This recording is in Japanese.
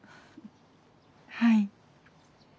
はい。